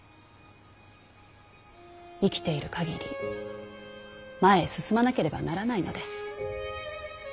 生きている限り前へ進まなければならないのです。